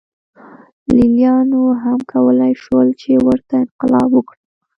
لېلیانو هم کولای شول چې ورته انقلاب وکړي